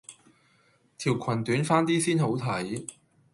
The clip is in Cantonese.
條群短翻啲先好睇